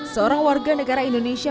seorang warga negara indonesia